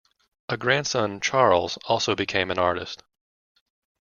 A grandson, Charles, also became an artist.